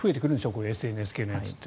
こういうＳＮＳ系のやつって。